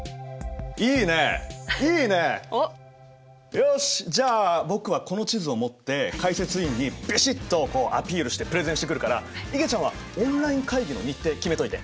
よしじゃあ僕はこの地図を持って解説委員にビシッとアピールしてプレゼンしてくるからいげちゃんはオンライン会議の日程決めといて。